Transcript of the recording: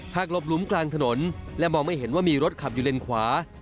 หลบหลุมกลางถนนและมองไม่เห็นว่ามีรถขับอยู่เลนขวา